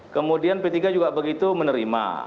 kemudian p tiga juga begitu menerima